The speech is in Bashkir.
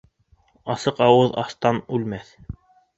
Асыҡ ауыҙ астан үлмәҫ.